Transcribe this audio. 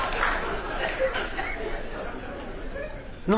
「何？